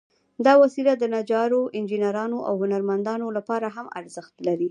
دا وسيله د نجارو، انجینرانو، او هنرمندانو لپاره هم ارزښت لري.